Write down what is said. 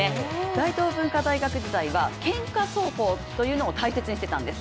大東文化大学時代はけんか走法というのを大切にしていたんです。